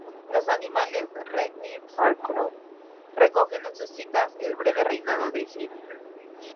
Los "Annales regni Francorum" recogen en sus citas el breve reinado de Hemming.